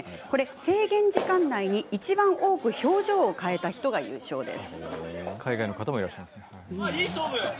制限時間内に、いちばん多く表情を変えた人が優勝です。